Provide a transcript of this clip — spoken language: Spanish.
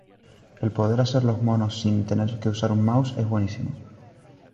El poder hacer los monos sin tener que usar un mouse es buenísimo.